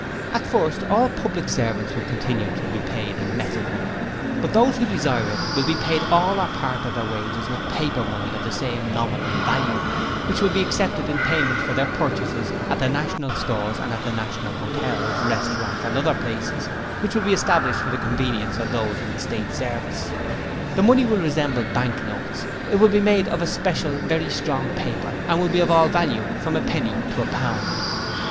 At first, all public servants will continue to be paid in metal money, but those who desire it will be paid all or part of their wages in paper money of the same nominal value, which will be accepted in payment for their purchases at the National Stores and at the National Hotels, Restaurants and other places which will be established for the convenience of those in the State service. The money will resemble bank notes. It will be made of a special very strong paper, and will be of all value, from a penny to a pound.